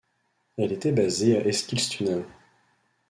Elle était basée à Eskilstuna.